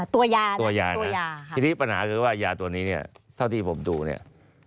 ตัวยาตัวยานะทีนี้ปัญหาคือว่ายาตัวนี้เนี่ยเท่าที่ผมดูเนี่ย